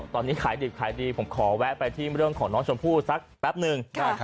ตอนนี้ขายดิบขายดีผมขอแวะไปที่เรื่องของน้องชมพู่สักแป๊บหนึ่ง